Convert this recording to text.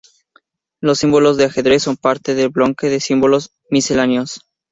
Los símbolos de ajedrez son parte del bloque de Símbolos Misceláneos.